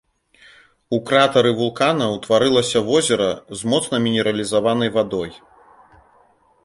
У кратары вулкана ўтварылася возера з моцна мінералізаванай вадой.